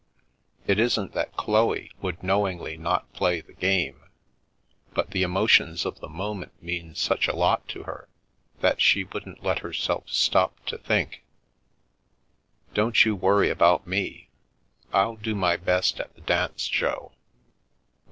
It isn't that Chloe would knowingly not play the game, but the emotions of the moment mean such a lot to her that she wouldn't let herself stop to think." " Don't you worry about me. 111 do my best at the dance, Jo.